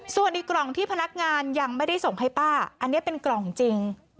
ส่วนอีกกล่องที่พนักงานยังไม่ได้ส่งให้ป้าอันนี้เป็นกล่องจริง